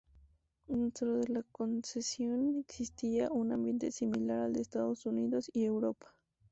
Dentro de la Concesión existía un ambiente similar al de Estados Unidos y Europa.